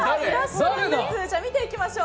見ていきましょう。